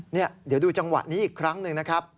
เดี๋ยวดูจังหวะนี้อีกครั้งหนึ่งนะครับ